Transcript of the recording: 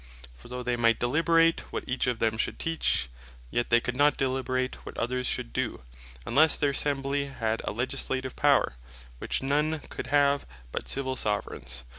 For though they might deliberate what each of them should teach; yet they could not deliberate what others should do, unless their Assembly had had a Legislative Power; which none could have but Civill Soveraigns.